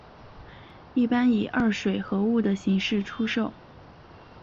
一般以二水合物的形式出售。